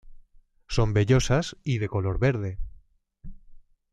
Son vellosas y de color verde.